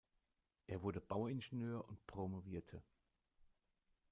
Er wurde Bauingenieur und promovierte.